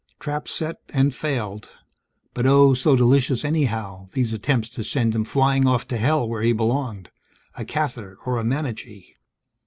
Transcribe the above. Traps set and failed; but, oh, so delicious anyhow, these attempts to send him flying off to Hell where he belonged: a Cathar or a Manichee.